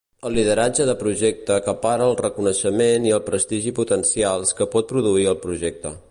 El lideratge de projecte acapara el reconeixement i el prestigi potencials que pot produir el projecte.